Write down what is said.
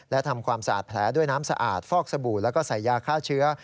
และทำความสะอาดแผลด้วยน้ำสะอาดฟอกสบู่แล้วก็ใส่ยาฆ่าเชื้อ